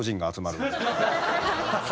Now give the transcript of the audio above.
ハハハハ！